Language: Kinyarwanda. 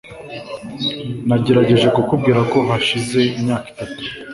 Nagerageje kukubwira ko hashize imyaka itatu.